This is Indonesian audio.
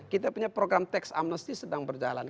kita punya program teks amnesti sedang berjalan